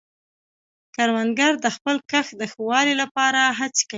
کروندګر د خپل کښت د ښه والي لپاره هڅې کوي